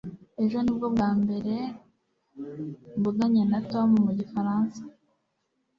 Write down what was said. ejo nibwo bwa mbere mvuganye na tom mu gifaransa